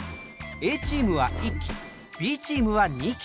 Ａチームは１機Ｂチームは２機。